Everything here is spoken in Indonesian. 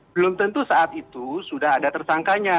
belum tentu saat itu sudah ada tersangkanya